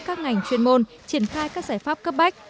các ngành chuyên môn triển khai các giải pháp cấp bách